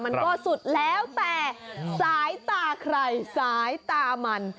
มันก็สุดแล้วแต่สายตาใครสายตามัน